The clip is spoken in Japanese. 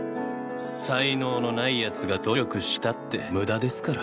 才能のないやつが努力したってむだですから。